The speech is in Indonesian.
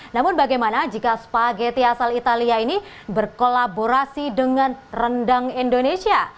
namun bagaimana jika spageti asal italia ini berkolaborasi dengan rendang indonesia